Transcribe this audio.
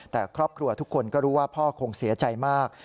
แต่ครอบครัวทุกคนก็รู้ว่าพ่อคงเสียใจมาก